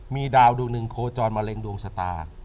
มีดาวดวงหนึ่งโคจรมะเร็งดวงชะตา